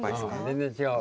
全然違う。